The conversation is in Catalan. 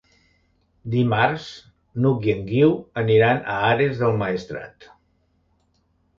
Dimarts n'Hug i en Guiu aniran a Ares del Maestrat.